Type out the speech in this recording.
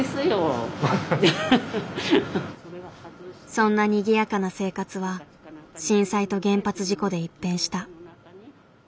そんなにぎやかな生活は震災と原発事故で一変した。